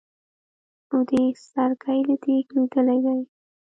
نو د سرکې له دېګه لوېدلی دی.